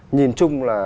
nhìn chung là